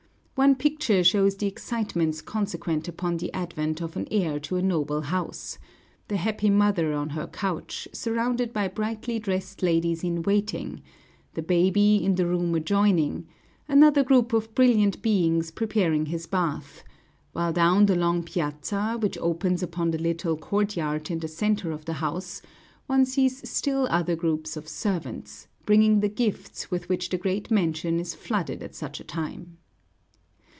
One picture shows the excitements consequent upon the advent of an heir to a noble house, the happy mother on her couch, surrounded by brightly dressed ladies in waiting; the baby in the room adjoining; another group of brilliant beings preparing his bath; while down the long piazza, which opens upon the little courtyard in the centre of the house, one sees still other groups of servants, bringing the gifts with which the great mansion is flooded at such a time.